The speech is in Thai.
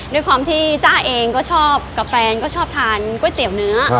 ด้วยความที่จ้าเองก็ชอบกับแฟนก็ชอบทานก๋วยเตี๋ยวเนื้อ